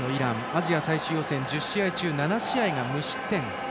アジア最終予選１０試合中７試合で無失点。